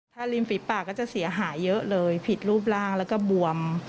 ถ้าริมฝีปากก็จะเสียหายเยอะเลยผิดรูปร่างแล้วก็บวม